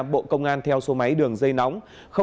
bộ công an theo số máy đường dây nóng